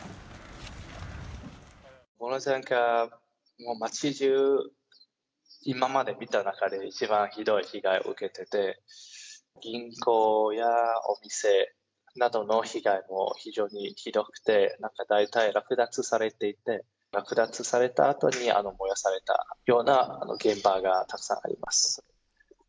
ボロジャンカは町じゅう、今まで見た中で一番ひどい被害を受けてて、銀行やお店などの被害も非常にひどくて、なんか大体、略奪されていて、略奪されたあとに、燃やされたような現場がたくさんあります。